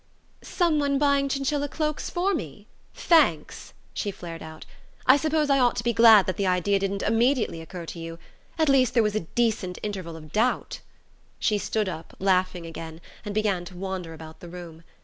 "Someone buying chinchilla cloaks for me? Thanks!" she flared out. "I suppose I ought to be glad that the idea didn't immediately occur to you. At least there was a decent interval of doubt...." She stood up, laughing again, and began to wander about the room.